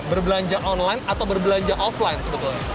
berbelanja online atau berbelanja offline sebetulnya